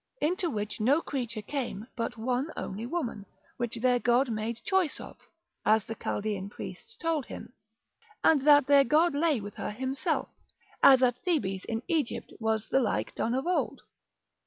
into which no creature came but one only woman, which their god made choice of, as the Chaldean priests told him, and that their god lay with her himself, as at Thebes in Egypt was the like done of old.